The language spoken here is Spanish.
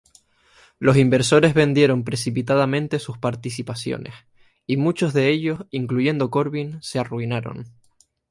Los inversores vendieron precipitadamente sus participaciones, y muchos de ellos, incluyendo Corbin, se arruinaron.